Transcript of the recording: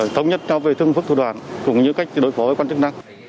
thống nhất nhau về thương phức thủ đoàn cũng như cách đối phó với quan chức năng